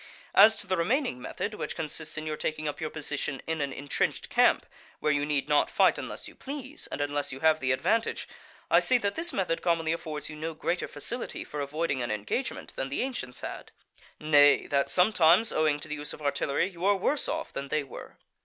As to the remaining method, which consists in your taking up your position in an entrenched camp, where you need not fight unless you please, and unless you have the advantage, I say that this method commonly affords you no greater facility for avoiding an engagement than the ancients had; nay, that sometimes, owing to the use of artillery, you are worse off than they were.